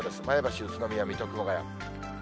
前橋、宇都宮、水戸、熊谷。